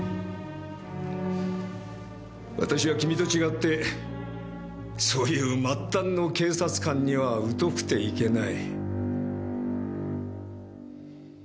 私は君と違ってそういう末端の警察官には疎くていけない。